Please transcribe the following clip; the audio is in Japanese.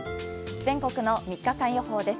全国の３日間予報です。